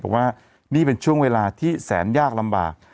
บอกว่านี่เป็นช่วงเวลาที่แสนยากลำบาก